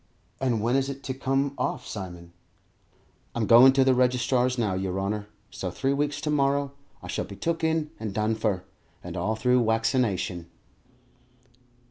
"And when is it to come off, Simon?" "I'm goin' to the registrar's now, yer honour, so three weeks to morrow I shall be took in and done for, and all threw waccination."